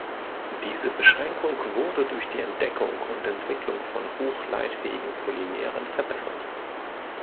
Diese Beschränkung wurde durch die Entdeckung und Entwicklung von hoch-leitfähigen Polymeren verbessert.